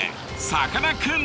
さかなクン！